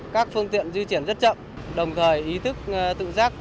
các phương tiện di chuyển rất chậm đồng thời ý thức tự giác